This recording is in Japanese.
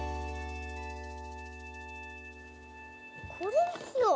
これにしよう。